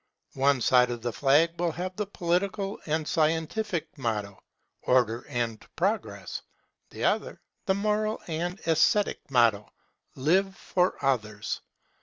One side of the flag will have the political and scientific motto, Order and Progress: the other, the moral and esthetic motto, Live for Others.